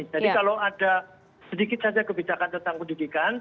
jadi kalau ada sedikit saja kebijakan tentang pendidikan